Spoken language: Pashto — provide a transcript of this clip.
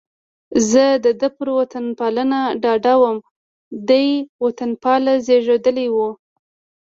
زه د ده پر وطنپالنه ډاډه وم، دی وطنپال زېږېدلی و.